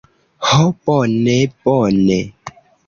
Ho, bone bone.